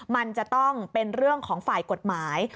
มันจะต้องเป็นเรื่องของฝ่ายกฎหมาย